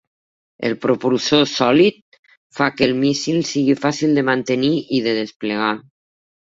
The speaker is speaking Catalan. El propulsor sòlid fa que el míssil sigui fàcil de mantenir i de desplegar.